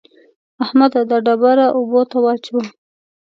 احمده! دا ډبره اوبو ته واچوه.